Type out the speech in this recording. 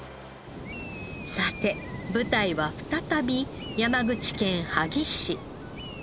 さて舞台は再び山口県萩市。